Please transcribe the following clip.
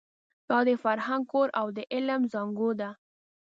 دا د فرهنګ کور او د علم زانګو ده.